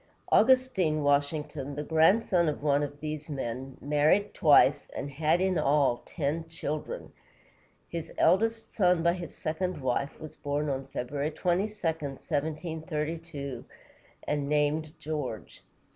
Augustine Washington, the grandson of one of these men, married twice, and had, in all, ten children. His eldest son by his second wife was born on February 22, 1732, and named George.